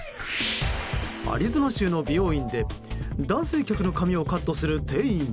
アリゾナ州の美容院で男性客の髪をカットする店員。